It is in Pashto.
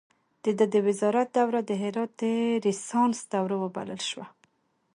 د ده د وزارت دوره د هرات د ریسانس دوره وبلل شوه.